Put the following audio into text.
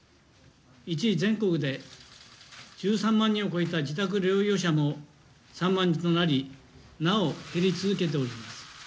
一時、全国で１３万人を超えた自宅療養者も３万人となり、なお、減り続けております。